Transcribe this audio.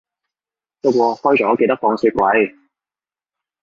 不過開咗記得放雪櫃